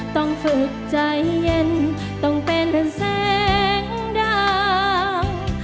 ต้องฝึกใจเย็นต้องเป็นแสงดาว